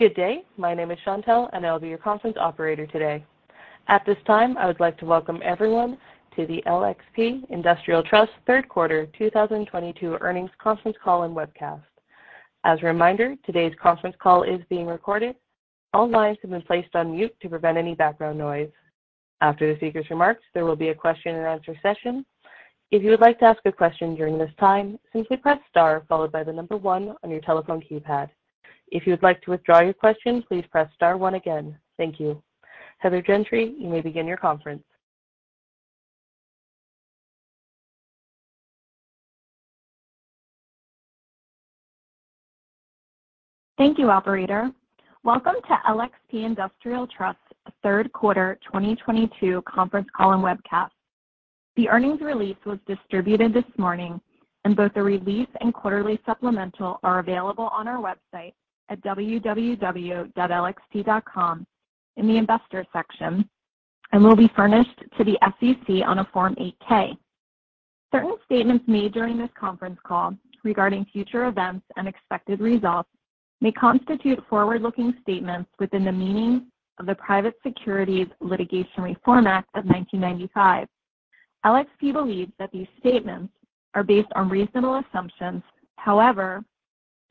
Good day. My name is Chantelle, and I'll be your conference operator today. At this time, I would like to welcome everyone to the LXP Industrial Trust third quarter 2022 earnings conference call and webcast. As a reminder, today's conference call is being recorded. All lines have been placed on mute to prevent any background noise. After the speaker's remarks, there will be a question and answer session. If you would like to ask a question during this time, simply press Star followed by the number one on your telephone keypad. If you would like to withdraw your question, please press Star one again. Thank you. Heather Gentry, you may begin your conference. Thank you, operator. Welcome to LXP Industrial Trust third quarter 2022 conference call and webcast. The earnings release was distributed this morning, and both the release and quarterly supplemental are available on our website at www.lxp.com in the Investors section and will be furnished to the SEC on a Form 8-K. Certain statements made during this conference call regarding future events and expected results may constitute forward-looking statements within the meaning of the Private Securities Litigation Reform Act of 1995. LXP believes that these statements are based on reasonable assumptions. However,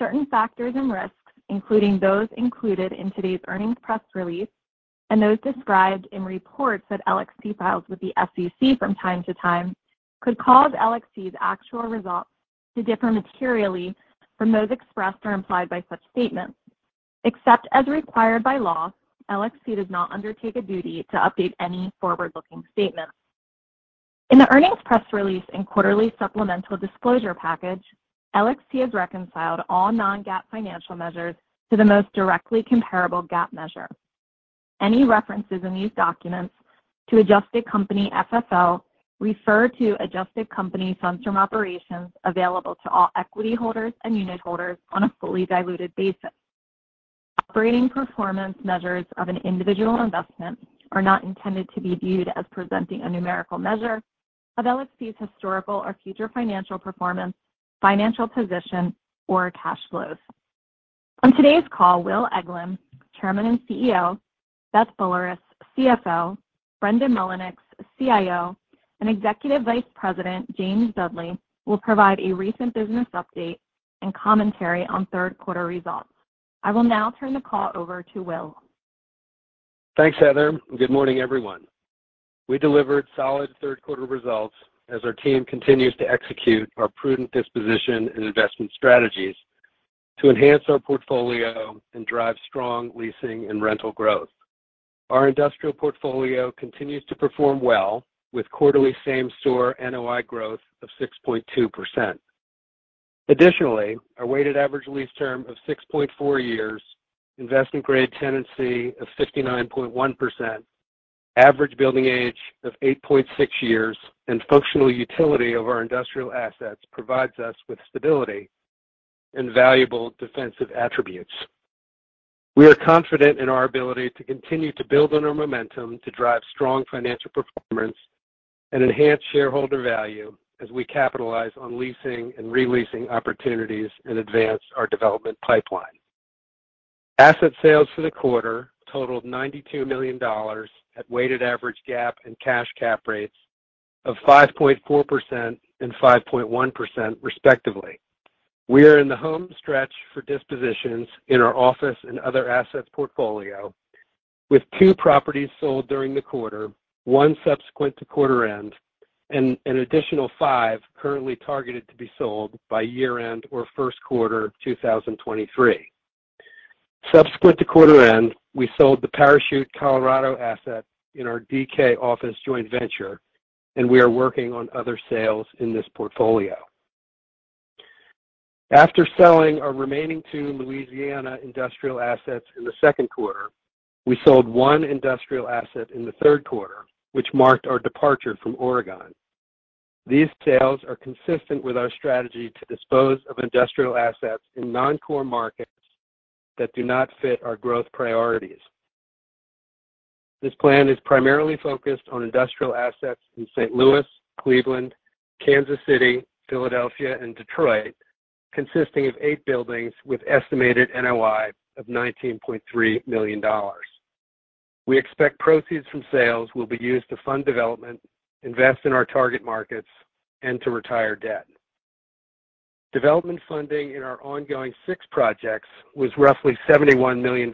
certain factors and risks, including those included in today's earnings press release and those described in reports that LXP files with the SEC from time to time, could cause LXP's actual results to differ materially from those expressed or implied by such statements. Except as required by law, LXP does not undertake a duty to update any forward-looking statements. In the earnings press release and quarterly supplemental disclosure package, LXP has reconciled all non-GAAP financial measures to the most directly comparable GAAP measure. Any references in these documents to adjusted company FFO refer to adjusted company funds from operations available to all equity holders and unit holders on a fully diluted basis. Operating performance measures of an individual investment are not intended to be viewed as presenting a numerical measure of LXP's historical or future financial performance, financial position, or cash flows. On today's call, Will Eglin, Chairman and CEO, Beth Boulerice, CFO, Brendan Mullinix, CIO, and Executive Vice President James Dudley will provide a recent business update and commentary on third quarter results. I will now turn the call over to Will. Thanks, Heather, and good morning, everyone. We delivered solid third quarter results as our team continues to execute our prudent disposition and investment strategies to enhance our portfolio and drive strong leasing and rental growth. Our industrial portfolio continues to perform well with quarterly same-store NOI growth of 6.2%. Additionally, our weighted average lease term of 6.4 years, investment grade tenancy of 59.1%, average building age of 8.6 years, and functional utility of our industrial assets provides us with stability and valuable defensive attributes. We are confident in our ability to continue to build on our momentum to drive strong financial performance and enhance shareholder value as we capitalize on leasing and re-leasing opportunities and advance our development pipeline. Asset sales for the quarter totaled $92 million at weighted average GAAP and cash cap rates of 5.4% and 5.1% respectively. We are in the home stretch for dispositions in our office and other assets portfolio, with 2 properties sold during the quarter, 1 subsequent to quarter end, and an additional 5 currently targeted to be sold by year-end or first quarter 2023. Subsequent to quarter end, we sold the Parachute, Colorado asset in our DK office joint venture, and we are working on other sales in this portfolio. After selling our remaining 2 Louisiana industrial assets in the second quarter, we sold 1 industrial asset in the third quarter, which marked our departure from Oregon. These sales are consistent with our strategy to dispose of industrial assets in non-core markets that do not fit our growth priorities. This plan is primarily focused on industrial assets in St. Louis, Cleveland, Kansas City, Philadelphia, and Detroit, consisting of eight buildings with estimated NOI of $19.3 million. We expect proceeds from sales will be used to fund development, invest in our target markets, and to retire debt. Development funding in our ongoing six projects was roughly $71 million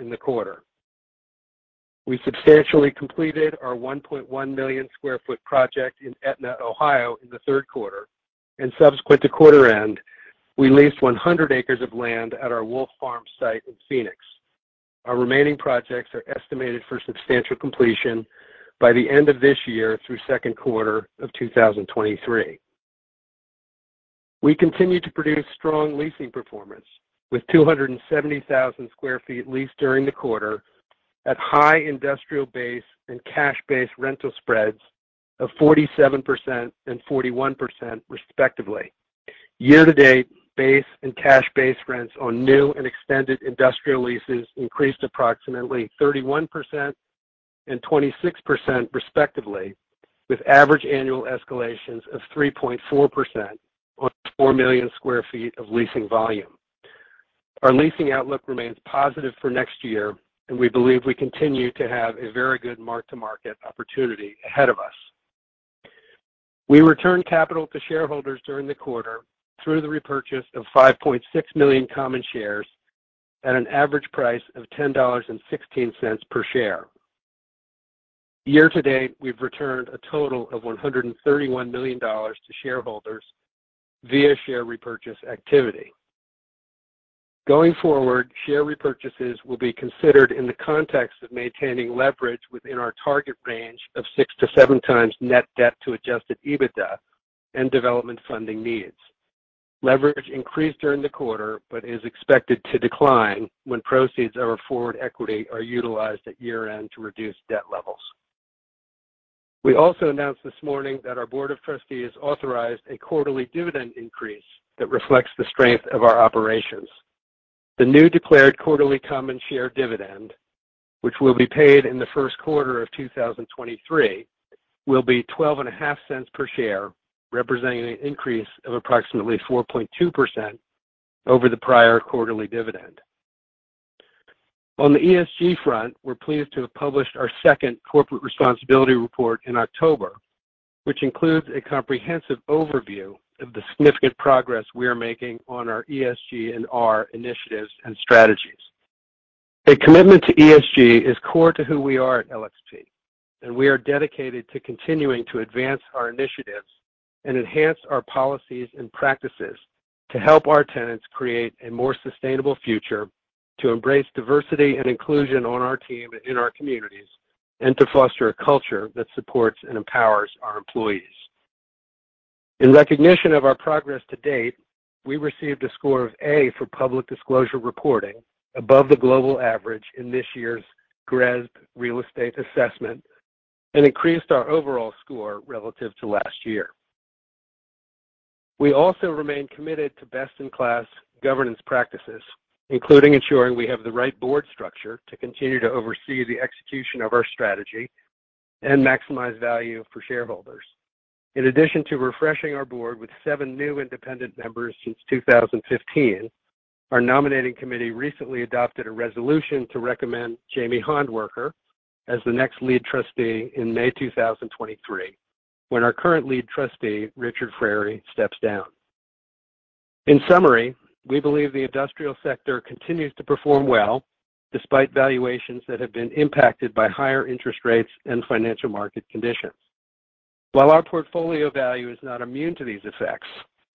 in the quarter. We substantially completed our 1.1 million sq ft project in Etna, Ohio in the third quarter, and subsequent to quarter end, we leased 100 acres of land at our Wolf Farms site in Phoenix. Our remaining projects are estimated for substantial completion by the end of this year through second quarter of 2023. We continue to produce strong leasing performance, with 270,000 sq ft leased during the quarter at high industrial base and cash base rental spreads of 47% and 41% respectively. Year to date, base and cash base rents on new and extended industrial leases increased approximately 31% and 26% respectively, with average annual escalations of 3.4% on 4 million sq ft of leasing volume. Our leasing outlook remains positive for next year, and we believe we continue to have a very good mark to market opportunity ahead of us. We returned capital to shareholders during the quarter through the repurchase of 5.6 million common shares at an average price of $10.16 per share. Year to date, we've returned a total of $131 million to shareholders via share repurchase activity. Going forward, share repurchases will be considered in the context of maintaining leverage within our target range of 6-7 times net debt to adjusted EBITDA and development funding needs. Leverage increased during the quarter, but is expected to decline when proceeds of our forward equity are utilized at year-end to reduce debt levels. We also announced this morning that our board of trustees authorized a quarterly dividend increase that reflects the strength of our operations. The new declared quarterly common share dividend, which will be paid in the first quarter of 2023, will be $0.125 per share, representing an increase of approximately 4.2% over the prior quarterly dividend. On the ESG front, we're pleased to have published our second corporate responsibility report in October, which includes a comprehensive overview of the significant progress we are making on our ESG and R initiatives and strategies. A commitment to ESG is core to who we are at LXP, and we are dedicated to continuing to advance our initiatives and enhance our policies and practices to help our tenants create a more sustainable future, to embrace diversity and inclusion on our team and in our communities, and to foster a culture that supports and empowers our employees. In recognition of our progress to date, we received a score of A for public disclosure reporting above the global average in this year's GRESB real estate assessment and increased our overall score relative to last year. We also remain committed to best in class governance practices, including ensuring we have the right board structure to continue to oversee the execution of our strategy and maximize value for shareholders. In addition to refreshing our board with seven new independent members since 2015, our nominating committee recently adopted a resolution to recommend Jamie Handwerker as the next lead trustee in May 2023, when our current lead trustee, Richard Frary, steps down. In summary, we believe the industrial sector continues to perform well despite valuations that have been impacted by higher interest rates and financial market conditions. While our portfolio value is not immune to these effects,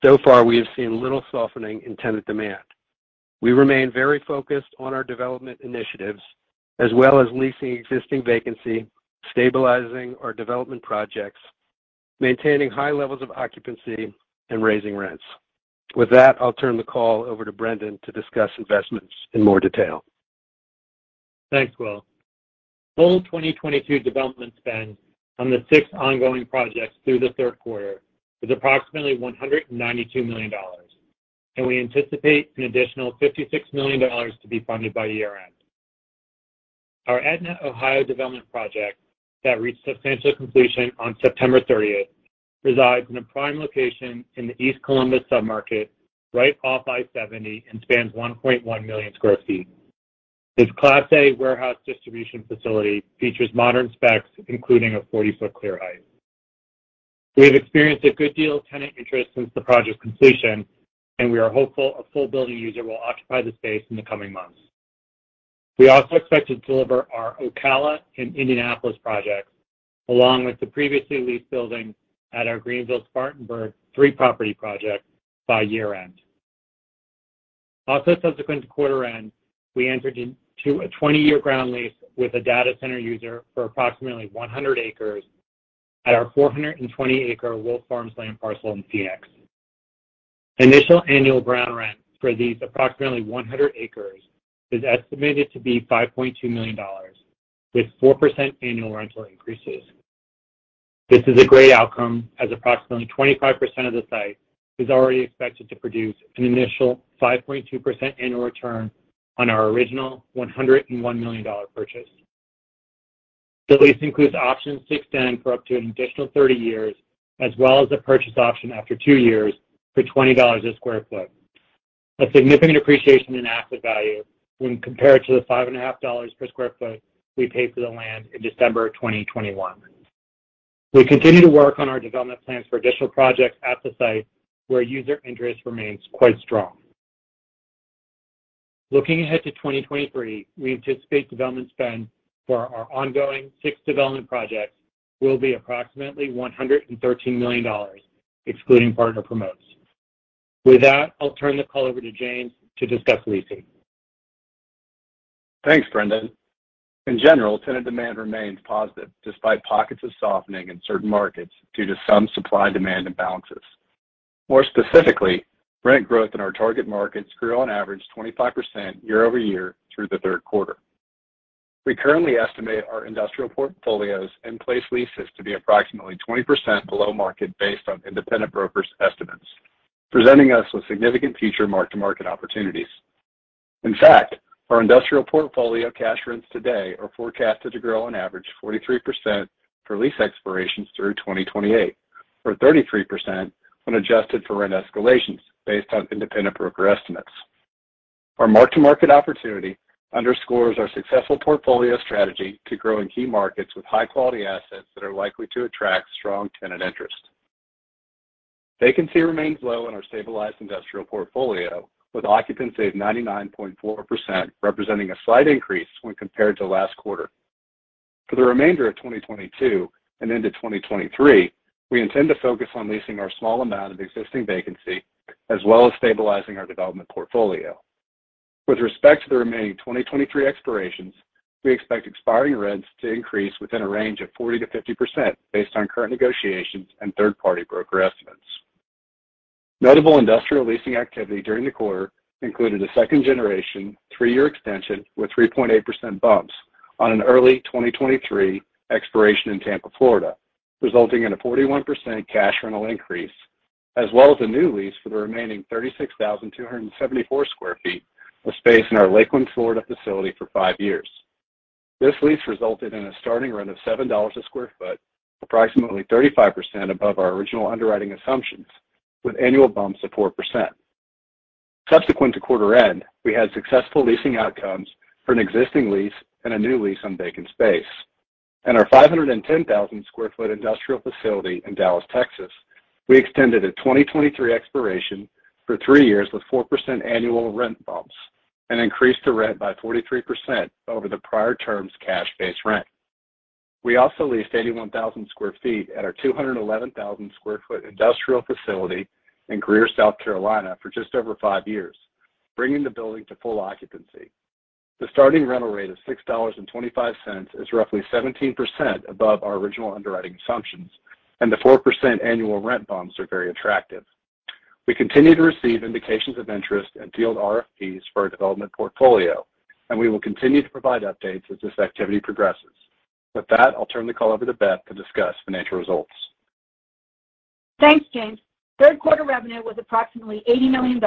so far we have seen little softening in tenant demand. We remain very focused on our development initiatives as well as leasing existing vacancy, stabilizing our development projects, maintaining high levels of occupancy, and raising rents. With that, I'll turn the call over to Brendan to discuss investments in more detail. Thanks, Will. Full 2022 development spend on the six ongoing projects through the third quarter is approximately $192 million, and we anticipate an additional $56 million to be funded by year-end. Our Etna, Ohio development project that reached substantial completion on September thirtieth resides in a prime location in the East Columbus submarket right off I-70 and spans 1.1 million sq ft. This class A warehouse distribution facility features modern specs, including a 40-foot clear height. We have experienced a good deal of tenant interest since the project's completion, and we are hopeful a full building user will occupy the space in the coming months. We also expect to deliver our Ocala and Indianapolis projects along with the previously leased building at our Greenville-Spartanburg three-property project by year-end. Also subsequent to quarter end, we entered into a 20-year ground lease with a data center user for approximately 100 acres at our 420-acre Wolf Farms land parcel in Phoenix. Initial annual ground rent for these approximately 100 acres is estimated to be $5.2 million, with 4% annual rental increases. This is a great outcome as approximately 25% of the site is already expected to produce an initial 5.2% annual return on our original $101 million purchase. The lease includes options to extend for up to an additional 30 years as well as a purchase option after 2 years for $20/sq ft. A significant appreciation in asset value when compared to the $5.50 per sq ft we paid for the land in December of 2021. We continue to work on our development plans for additional projects at the site where user interest remains quite strong. Looking ahead to 2023, we anticipate development spend for our ongoing 6 development projects will be approximately $113 million excluding partner promotes. With that, I'll turn the call over to James to discuss leasing. Thanks, Brendan. In general, tenant demand remains positive despite pockets of softening in certain markets due to some supply demand imbalances. More specifically, rent growth in our target markets grew on average 25% year-over-year through the third quarter. We currently estimate our industrial portfolios in place leases to be approximately 20% below market based on independent brokers' estimates, presenting us with significant future mark to market opportunities. In fact, our industrial portfolio cash rents today are forecasted to grow on average 43% for lease expirations through 2028, or 33% when adjusted for rent escalations based on independent brokers' estimates. Our mark-to-market opportunity underscores our successful portfolio strategy to grow in key markets with high-quality assets that are likely to attract strong tenant interest. Vacancy remains low in our stabilized industrial portfolio, with occupancy of 99.4% representing a slight increase when compared to last quarter. For the remainder of 2022 and into 2023, we intend to focus on leasing our small amount of existing vacancy as well as stabilizing our development portfolio. With respect to the remaining 2023 expirations, we expect expiring rents to increase within a range of 40%-50% based on current negotiations and third-party broker estimates. Notable industrial leasing activity during the quarter included a second-generation three-year extension with 3.8% bumps on an early 2023 expiration in Tampa, Florida, resulting in a 41% cash rental increase, as well as a new lease for the remaining 36,274 sq ft of space in our Lakeland, Florida, facility for five years. This lease resulted in a starting rent of $7 a sq ft, approximately 35% above our original underwriting assumptions, with annual bumps of 4%. Subsequent to quarter end, we had successful leasing outcomes for an existing lease and a new lease on vacant space. In our 510,000 sq ft industrial facility in Dallas, Texas, we extended a 2023 expiration for 3 years with 4% annual rent bumps and increased the rent by 43% over the prior term's cash base rent. We also leased 81,000 sq ft at our 211,000 sq ft industrial facility in Greer, South Carolina for just over 5 years, bringing the building to full occupancy. The starting rental rate of $6.25 is roughly 17% above our original underwriting assumptions, and the 4% annual rent bumps are very attractive. We continue to receive indications of interest and field RFPs for our development portfolio, and we will continue to provide updates as this activity progresses. With that, I'll turn the call over to Beth to discuss financial results. Thanks, James. Third quarter revenue was approximately $80 million,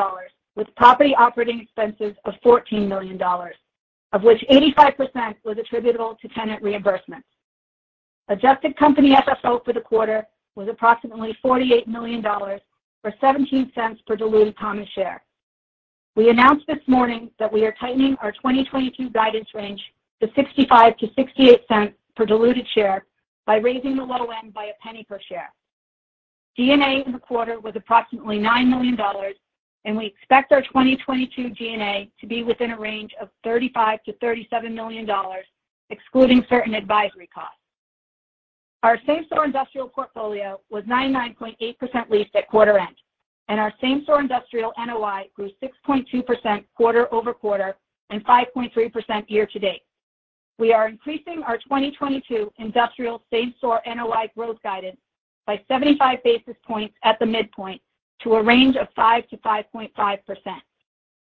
with property operating expenses of $14 million, of which 85% was attributable to tenant reimbursements. Adjusted company FFO for the quarter was approximately $48 million, or $0.17 per diluted common share. We announced this morning that we are tightening our 2022 guidance range to $0.65-$0.68 per diluted share by raising the low end by $0.01 per share. G&A in the quarter was approximately $9 million, and we expect our 2022 G&A to be within a range of $35 million-$37 million, excluding certain advisory costs. Our same-store industrial portfolio was 99.8% leased at quarter end, and our same-store industrial NOI grew 6.2% quarter-over-quarter and 5.3% year-to-date. We are increasing our 2022 industrial same-store NOI growth guidance by 75 basis points at the midpoint to a range of 5-5.5%.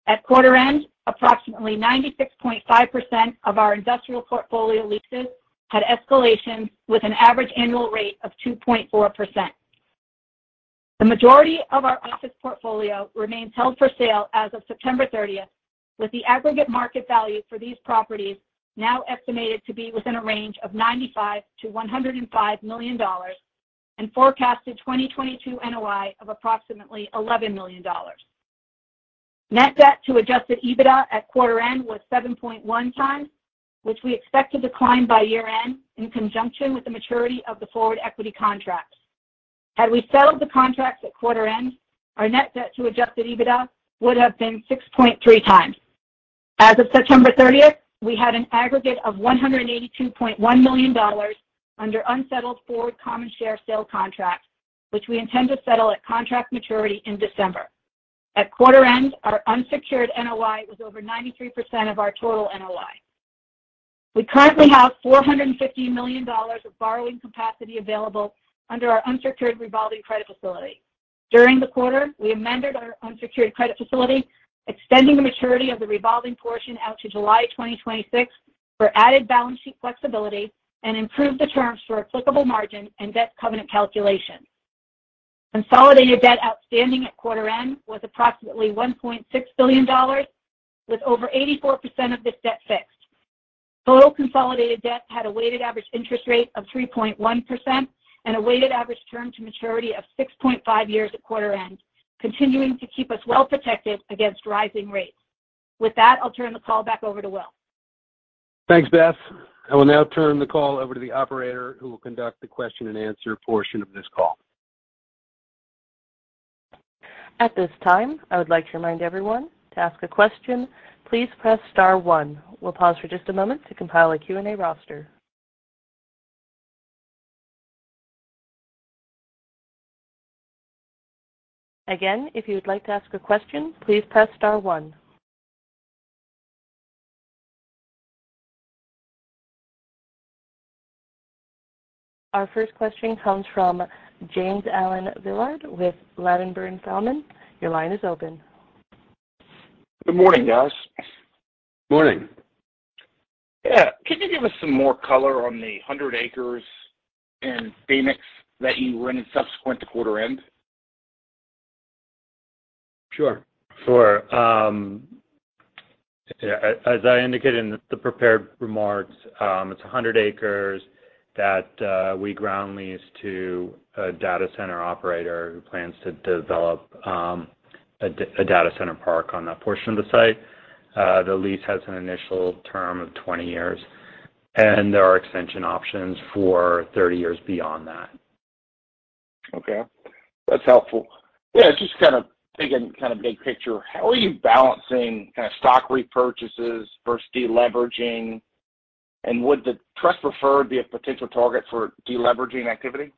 At quarter end, approximately 96.5% of our industrial portfolio leases had escalations with an average annual rate of 2.4%. The majority of our office portfolio remains held for sale as of September thirtieth, with the aggregate market value for these properties now estimated to be within a range of $95 million-$105 million and forecasted 2022 NOI of approximately $11 million. Net debt to adjusted EBITDA at quarter end was 7.1x, which we expect to decline by year-end in conjunction with the maturity of the forward equity contracts. Had we settled the contracts at quarter end, our net debt to adjusted EBITDA would have been 6.3 times. As of September 30, we had an aggregate of $182.1 million under unsettled forward common share sale contracts, which we intend to settle at contract maturity in December. At quarter end, our unsecured NOI was over 93% of our total NOI. We currently have $450 million of borrowing capacity available under our unsecured revolving credit facility. During the quarter, we amended our unsecured credit facility, extending the maturity of the revolving portion out to July 2026 for added balance sheet flexibility and improved the terms for applicable margin and debt covenant calculations. Consolidated debt outstanding at quarter end was approximately $1.6 billion, with over 84% of this debt fixed. Total consolidated debt had a weighted average interest rate of 3.1% and a weighted average term to maturity of 6.5 years at quarter end, continuing to keep us well protected against rising rates. With that, I'll turn the call back over to Will. Thanks, Beth. I will now turn the call over to the operator who will conduct the question and answer portion of this call. At this time, I would like to remind everyone to ask a question, please press star one. We'll pause for just a moment to compile a Q&A roster. Again, if you would like to ask a question, please press star one. Our first question comes from John Massocca with Ladenburg Thalmann. Your line is open. Good morning, guys. Morning. Yeah. Can you give us some more color on the 100 acres in Phoenix that you rented subsequent to quarter end? Sure. Sure. Yeah, as I indicated in the prepared remarks, it's 100 acres that we ground leased to a data center operator who plans to develop a data center park on that portion of the site. The lease has an initial term of 20 years, and there are extension options for 30 years beyond that. Okay. That's helpful. Yeah, just kind of thinking kind of big picture, how are you balancing kind of stock repurchases versus deleveraging? Would the trust preferred be a potential target for deleveraging activity?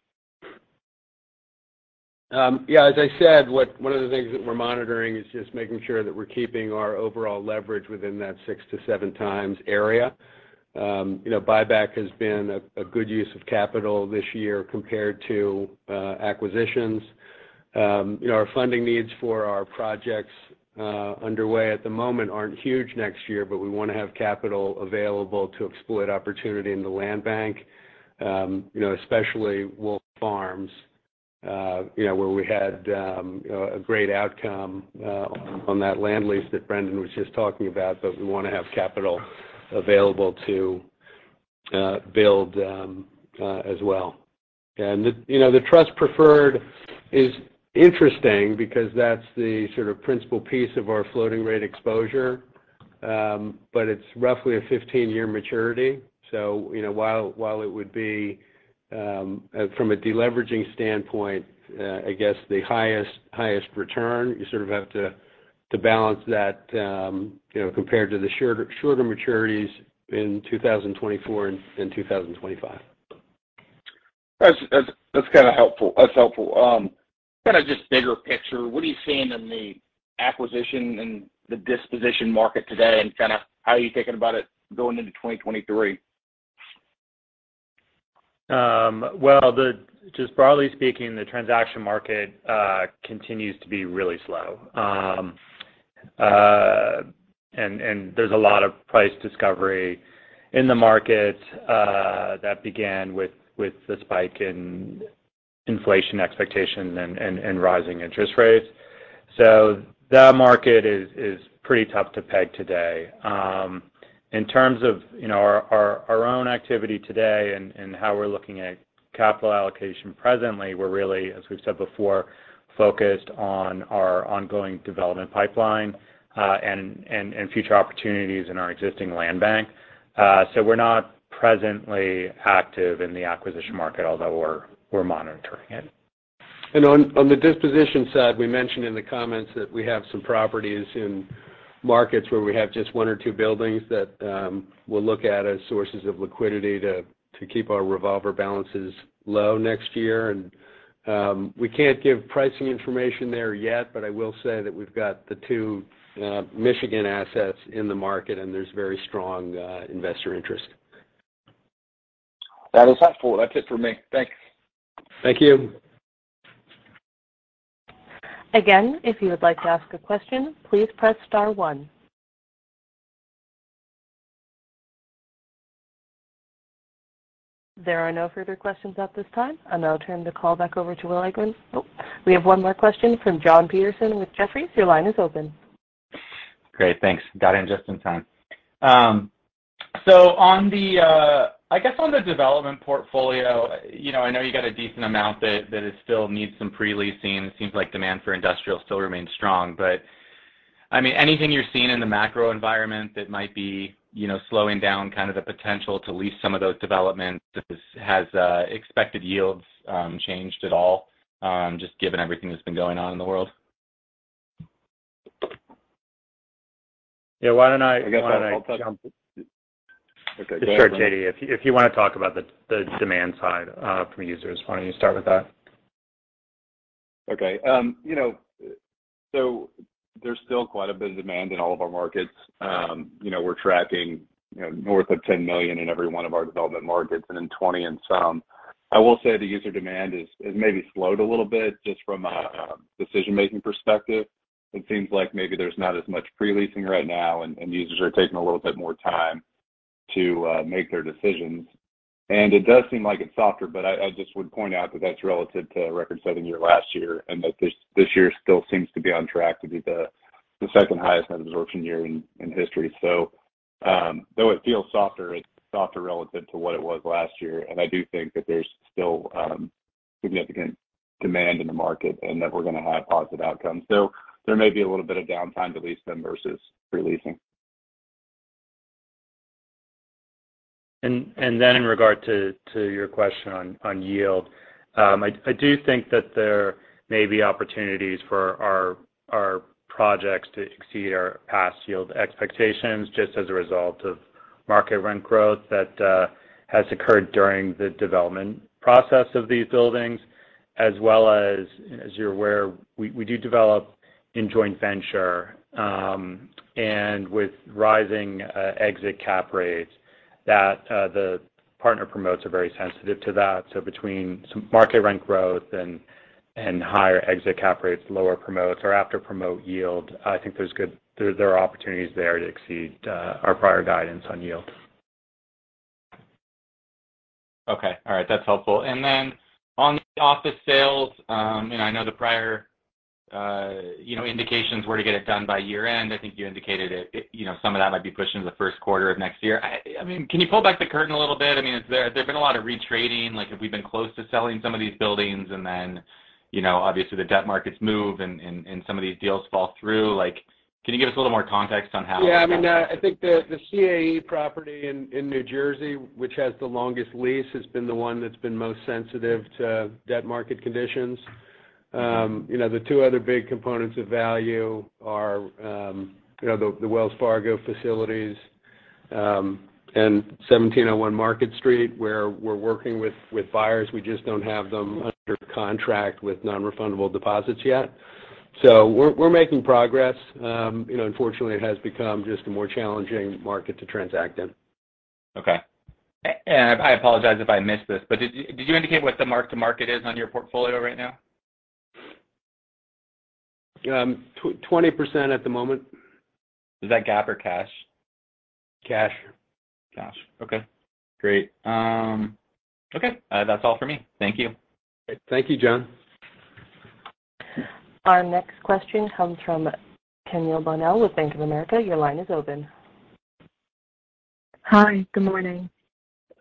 Yeah, as I said, one of the things that we're monitoring is just making sure that we're keeping our overall leverage within that 6-7 times area. You know, buyback has been a good use of capital this year compared to acquisitions. You know, our funding needs for our projects underway at the moment aren't huge next year, but we want to have capital available to exploit opportunity in the land bank, you know, especially Wolf Farms, you know, where we had a great outcome on that land lease that Brendan was just talking about. But we want to have capital available to build as well. You know, the trust preferred is interesting because that's the sort of principal piece of our floating rate exposure. But it's roughly a 15-year maturity. You know, while it would be from a deleveraging standpoint, I guess the highest return, you sort of have to balance that, you know, compared to the shorter maturities in 2024 and 2025. That's kind of helpful. That's helpful. Kind of just big picture, what are you seeing in the acquisition and the disposition market today, and kind of how are you thinking about it going into 2023? Well, just broadly speaking, the transaction market continues to be really slow. There's a lot of price discovery in the market that began with the spike in inflation expectations and rising interest rates. That market is pretty tough to peg today. In terms of, you know, our own activity today and how we're looking at capital allocation presently, we're really, as we've said before, focused on our ongoing development pipeline and future opportunities in our existing land bank. We're not presently active in the acquisition market, although we're monitoring it. On the disposition side, we mentioned in the comments that we have some properties in markets where we have just one or two buildings that we'll look at as sources of liquidity to keep our revolver balances low next year. We can't give pricing information there yet, but I will say that we've got the two Michigan assets in the market, and there's very strong investor interest. That is helpful. That's it for me. Thanks. Thank you. Again, if you would like to ask a question, please press star one. There are no further questions at this time. I'll turn the call back over to Will Eglin. Oh, we have one more question from Jon Petersen with Jefferies. Your line is open. Great, thanks. Got in just in time. On the development portfolio, you know, I know you got a decent amount that still needs some pre-leasing. It seems like demand for industrial still remains strong. I mean, anything you're seeing in the macro environment that might be, you know, slowing down kind of the potential to lease some of those developments? Has expected yields changed at all, just given everything that's been going on in the world? Yeah, why don't I. I guess I'll talk. Why don't I jump- Okay. Go ahead, Brendan. Sure, JD. If you wanna talk about the demand side from users, why don't you start with that? Okay. You know, there's still quite a bit of demand in all of our markets. You know, we're tracking north of 10 million in every one of our development markets and then 20 in some. I will say the user demand has maybe slowed a little bit just from a decision-making perspective. It seems like maybe there's not as much pre-leasing right now and users are taking a little bit more time to make their decisions. It does seem like it's softer, but I just would point out that that's relative to a record-setting year last year and that this year still seems to be on track to be the second highest net absorption year in history. Though it feels softer, it's softer relative to what it was last year. I do think that there's still significant demand in the market and that we're gonna have positive outcomes. There may be a little bit of downtime to lease them versus pre-leasing. In regard to your question on yield, I do think that there may be opportunities for our projects to exceed our past yield expectations just as a result of market rent growth that has occurred during the development process of these buildings. As well as you're aware, we do develop in joint venture and with rising exit cap rates that the partner promotes are very sensitive to that. Between some market rent growth and Higher exit cap rates, lower promotes or after promote yield, I think there are opportunities there to exceed our prior guidance on yield. Okay. All right, that's helpful. On office sales, you know, I know the prior indications were to get it done by year-end. I think you indicated it, you know, some of that might be pushed into the first quarter of next year. I mean, can you pull back the curtain a little bit? I mean, has there been a lot of retrading? Like, have we been close to selling some of these buildings and then, you know, obviously the debt markets move and some of these deals fall through? Like, can you give us a little more context on how? Yeah. I mean, I think the CAE property in New Jersey, which has the longest lease, has been the one that's been most sensitive to debt market conditions. You know, the two other big components of value are, you know, the Wells Fargo facilities, and 1701 Market Street, where we're working with buyers. We just don't have them under contract with non-refundable deposits yet. We're making progress. You know, unfortunately, it has become just a more challenging market to transact in. Okay. I apologize if I missed this, but did you indicate what the mark to market is on your portfolio right now? 20% at the moment. Is that GAAP or cash? Cash. Cash. Okay, great. Okay. That's all for me. Thank you. Thank you, John. Our next question comes from Camille Bonnel with Bank of America. Your line is open. Hi. Good morning.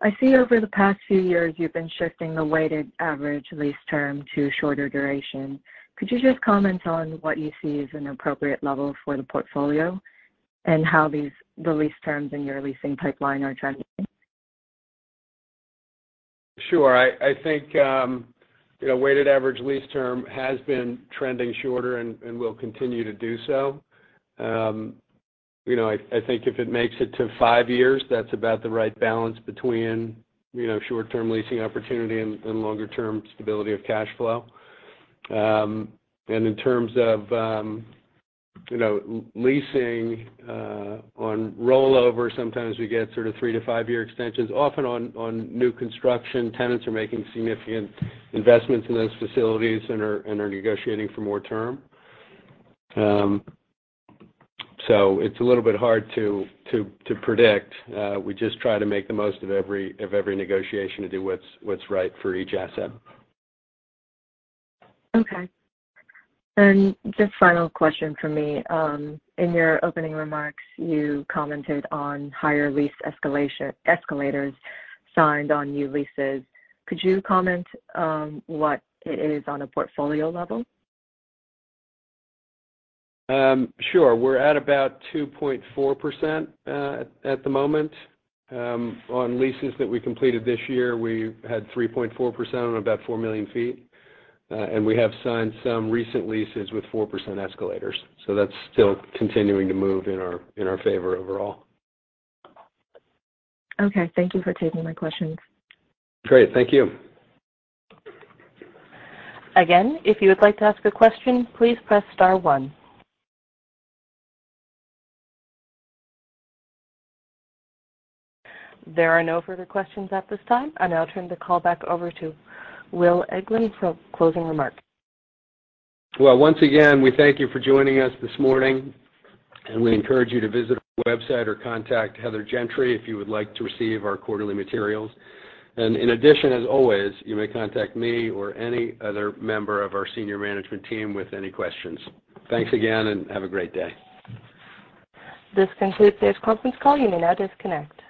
I see over the past few years, you've been shifting the weighted average lease term to shorter duration. Could you just comment on what you see is an appropriate level for the portfolio and how these, the lease terms in your leasing pipeline are trending? Sure. I think you know, weighted average lease term has been trending shorter and will continue to do so. You know, I think if it makes it to five years, that's about the right balance between you know, short-term leasing opportunity and longer-term stability of cash flow. In terms of you know, leasing on rollover, sometimes we get sort of three to five-year extensions. Often on new construction, tenants are making significant investments in those facilities and are negotiating for more term. It's a little bit hard to predict. We just try to make the most of every negotiation to do what's right for each asset. Okay. Just final question from me. In your opening remarks, you commented on higher lease escalators signed on new leases. Could you comment, what it is on a portfolio level? Sure. We're at about 2.4% at the moment. On leases that we completed this year, we had 3.4% on about 4 million sq ft. We have signed some recent leases with 4% escalators. That's still continuing to move in our favor overall. Okay. Thank you for taking my questions. Great. Thank you. Again, if you would like to ask a question, please press star one. There are no further questions at this time. I'll now turn the call back over to Will Eglin for closing remarks. Well, once again, we thank you for joining us this morning, and we encourage you to visit our website or contact Heather Gentry if you would like to receive our quarterly materials. In addition, as always, you may contact me or any other member of our senior management team with any questions. Thanks again, and have a great day. This concludes today's conference call. You may now disconnect.